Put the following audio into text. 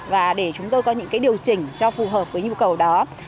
và để chúng tôi có những điều chỉnh cho phù hợp với nhu cầu đó